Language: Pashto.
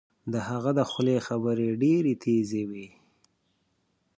د هغه د خولې خبرې ډیرې تېزې وې